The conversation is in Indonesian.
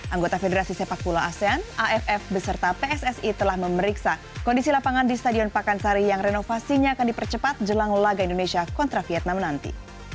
anggota federasi sepak bola asean aff beserta pssi telah memeriksa kondisi lapangan di stadion pakansari yang renovasinya akan dipercepat jelang laga indonesia kontra vietnam nanti